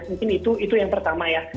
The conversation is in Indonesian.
mungkin itu yang pertama ya